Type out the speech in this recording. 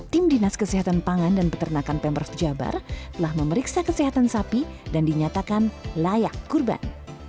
tim dinas kesehatan pangan dan peternakan pemprov jabar telah memeriksa kesehatan sapi dan dinyatakan layak kurban